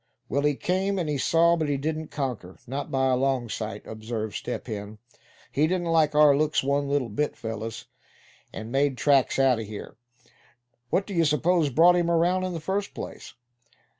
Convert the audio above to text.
"Well, he came, and he saw; but he didn't conquer, not by a long sight," observed Step Hen. "He didn't like our looks one little bit, fellows, and made tracks out of here. What d'ye s'pose brought him around, in the first place?"